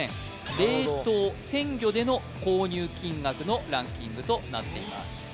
冷凍鮮魚での購入金額のランキングとなっています